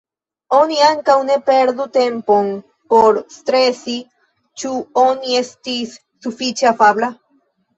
Oni ankaŭ ne perdu tempon por stresi ĉu oni estis sufiĉe afabla.